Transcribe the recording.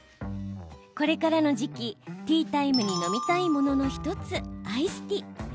これからの時期ティータイムに飲みたいものの１つアイスティー。